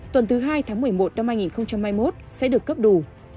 tuần thứ hai tháng một mươi một năm hai nghìn hai mươi một sẽ được cấp đủ